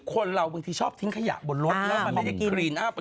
คนเราบางทีชอบทิ้งขยะบนรถแล้วมันไม่ได้กิน